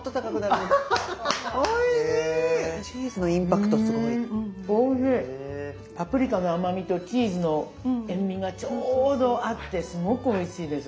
パプリカの甘みとチーズの塩みがちょうど合ってすごくおいしいです。